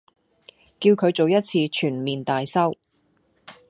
叫佢做一次全面大修